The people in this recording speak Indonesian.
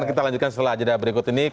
kita lanjutkan setelah jeda berikut ini